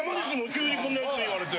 急にこんなやつに言われて。